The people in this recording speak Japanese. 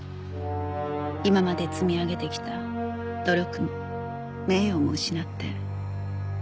今まで積み上げてきた努力も名誉も失って。